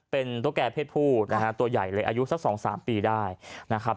เป็นตุ๊กแก่เพศผู้นะฮะตัวใหญ่เลยอายุสักสองสามปีได้นะครับ